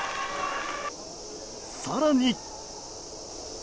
更に。